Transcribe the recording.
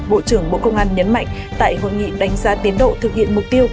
bộ trưởng bộ công an nhấn mạnh tại hội nghị đánh giá tiến độ thực hiện mục tiêu